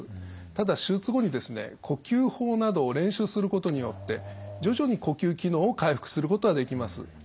ただ手術後にですね呼吸法などを練習することによって徐々に呼吸機能を回復することはできます。